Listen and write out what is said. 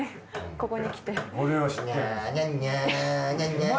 ここに来て。